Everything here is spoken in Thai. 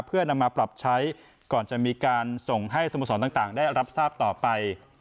เพื่อนำมาปรับใช้ก่อนจะมีการส่งให้สโมสรต่างได้รับทราบต่อไป